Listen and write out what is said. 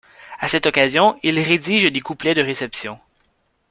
À cette occasion il rédige des couplets de réception.